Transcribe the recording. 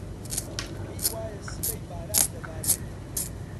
پێی وایە سبەی باران دەبارێت.